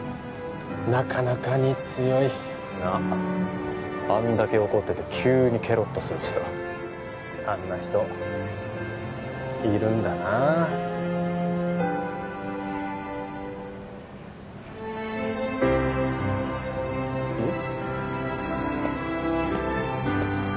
なかなかに強いなっあんだけ怒ってて急にケロッとするしさあんな人いるんだなあうん？